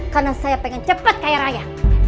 karena saya pengen cepet kaya raya